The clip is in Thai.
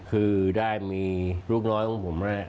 คือได้มีลูกน้อยของผม